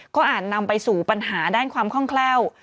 ก็อาจนำไปสู่ปัญหาด้านความคล่องแคล่ว